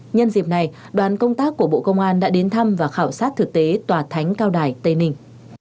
nhân dịp này đoàn công tác của bộ công an đã đến thăm và khảo sát thực tế tòa thánh cao đài tây ninh